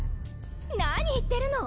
・何言ってるの！